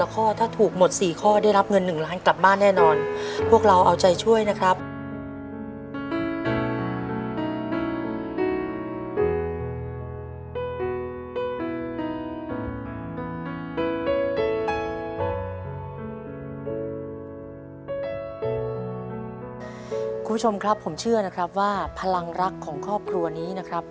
คุณผู้ชมครับผมเชื่อนะครับว่าพลังรักของครอบครัวนี้นะครับ